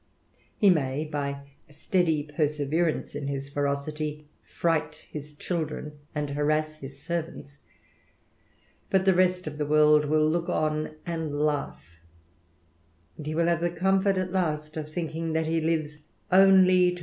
He may, by a steady perseverance in h —"^ ferocity, fright his children, and harass his servants, but rest of the world will look on and laugh ; and he will the comfort at last of thinking, that he lives only to X^ ;*v.